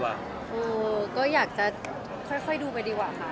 เออก็อยากจะค่อยดูไปดีกว่าค่ะ